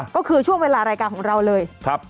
ก็คือช่วงเวลารายการของเราเลย